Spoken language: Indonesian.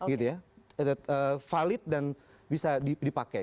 ini juga valid dan bisa dipakai